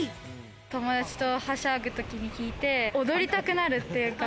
友達と、はしゃぐ時に聴いて踊りたくなるっていうか。